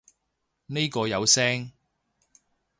呢個有聲